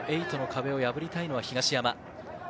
そのベスト８の壁を破りたいのは東山。